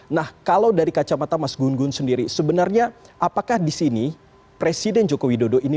nah kalau dari kacamata mas gun gun sendiri sebenarnya apakah di sini presiden joko widodo ini